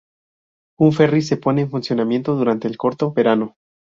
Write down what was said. Un ferry se pone en funcionamiento durante el corto verano.